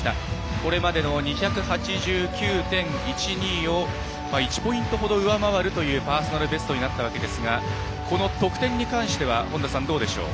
これまでの２８９．１２を１ポイントほど上回るというパーソナルベストになったわけですがこの得点に関してはどうでしょう？